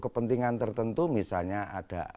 kepentingan tertentu misalnya ada